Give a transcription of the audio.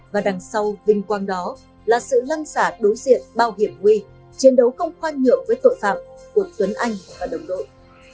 và đằng sau vinh quang đó là sự lăn xả đối diện bao hiểm nguy chiến đấu không khoan nhượng với tội phạm của tuấn anh và đồng đội